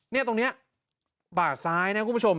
นี่ตรงนี้บาดซ้ายนะคุณผู้ชม